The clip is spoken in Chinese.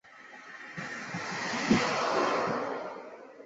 拉热斯是巴西圣卡塔琳娜州的一个市镇。